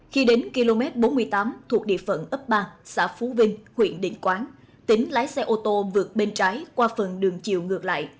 khi đến km bốn mươi tám thuộc địa phận ấp ba xã phú vinh huyện định quán tính lái xe ô tô vượt bên trái qua phần đường chiều ngược lại